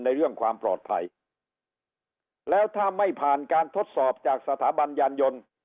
เรื่องความปลอดภัยแล้วถ้าไม่ผ่านการทดสอบจากสถาบันยานยนต์